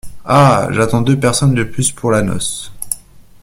Ah ! j’attends deux personnes de plus pour la noce.